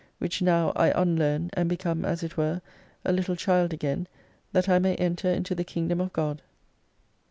Which now I unlearn, and be come, as it were, a little child again that I may enter into the Kingdom of God.